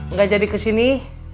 nggak jadi kesini